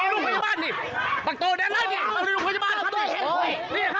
นี่มันเจ๊พวกชายผมนี่